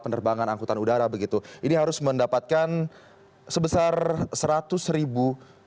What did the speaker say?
penerbangan angkutan udara begitu ini harus mendapatkan sebesar seratus ribu